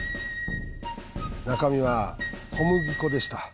「中身は小麦粉でした。